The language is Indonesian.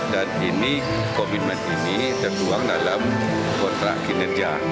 dan ini komitmen ini tertuang dalam kontrak kinerja